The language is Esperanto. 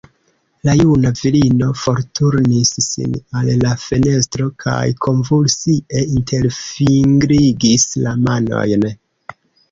La juna virino forturnis sin al la fenestro kaj konvulsie interfingrigis la manojn.